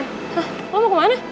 hah lo mau ke mana